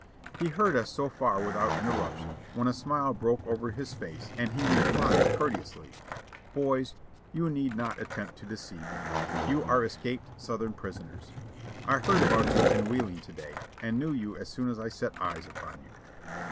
He heard us so far without interruption, when a smile broke over his face and he replied courteously: "Boys, you need not attempt to deceive me, you are escaped Southern prisoners. I heard about you in WheeHng to day, and knew you as soon as I set eyes upon you."